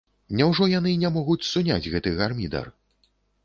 Няўжо яны не могуць суняць гэты гармідар?